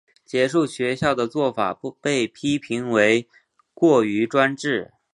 结束学校的做法被批评为过于专制。